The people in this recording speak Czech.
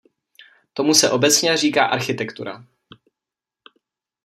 Tomu se obecně říká architektura.